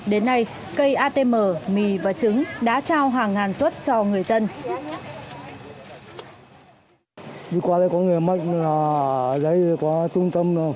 đến nay cây atm mì và trứng đã trao hàng ngàn suất cho người dân